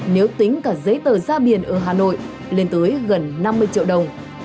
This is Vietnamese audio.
nếu tính cả giấy tờ ra biển ở hà nội lên tới gần năm mươi triệu đồng